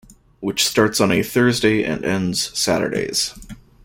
Which starts on a Thursday and ends Saturdays.